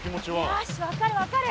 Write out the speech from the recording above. よし分かる分かる。